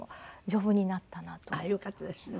あっよかったですね